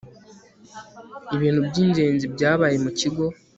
Ibintu by ingenzi byabaye mu kigo